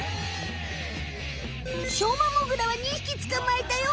しょうまモグラは２匹捕まえたよ！